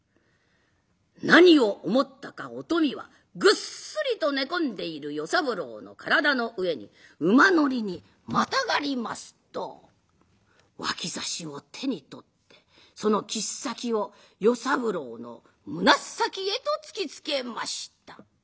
何を思ったかお富はぐっすりと寝込んでいる与三郎の体の上に馬乗りにまたがりますと脇差しを手に取ってその切っ先を与三郎の胸先へと突きつけました。